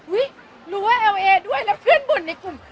รู้ว่าเอลเอด้วยแล้วเพื่อนบ่นในกลุ่ม